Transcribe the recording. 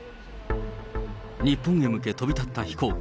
日本へ向け飛び立った飛行機。